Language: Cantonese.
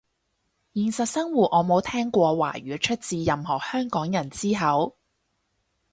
現實生活我冇聽過華語出自任何香港人之口